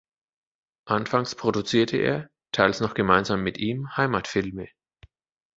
Anfangs produzierte er, teils noch gemeinsam mit ihm, Heimatfilme.